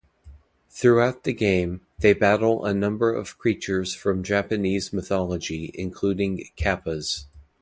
Throughout the game, they battle a number of creatures from Japanese mythology, including kappas.